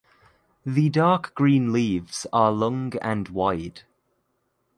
The dark green leaves are long and wide.